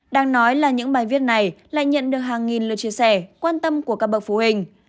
đang nói là những bài viết này lại nhận được hàng nghìn lượt chia sẻ quan tâm của các bậc phụ huynh